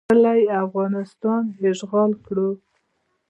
خپله یې افغانستان اشغال کړ